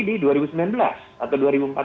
di dua ribu sembilan belas atau dua ribu empat belas